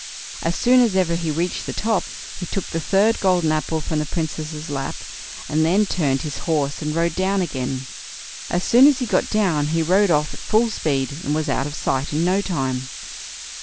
As soon as ever he reached the top, he took the third golden apple from the Princess' lap, and then turned his horse and rode down again. As soon as he got down, he rode off at full speed, and was out of sight in no time.